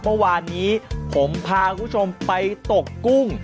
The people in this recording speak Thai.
เมื่อวานนี้ผมพาคุณผู้ชมไปตกกุ้ง